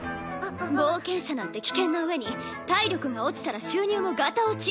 冒険者なんて危険なうえに体力が落ちたら収入もガタ落ち！